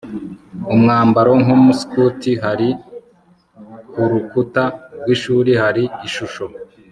umwambaro nk'umuskuti. hari ku rukuta rw'ishuri hari ishusho